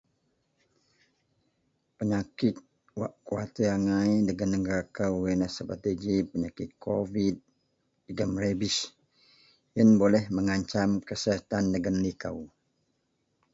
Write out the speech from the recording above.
Penyakit wak kuawatir angai dagen negara kou yenlah seperti kovid jegem rabis. Yen boleh mengancam kesihatan dagen likou.